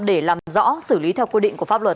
để làm rõ xử lý theo quy định của pháp luật